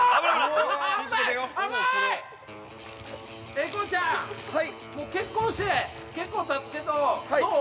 ◆英孝ちゃん、結婚して結構立つけど、どう。